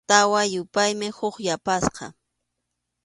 Tawa yupayman huk yapasqa.